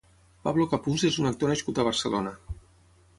Pablo Capuz és un actor nascut a Barcelona.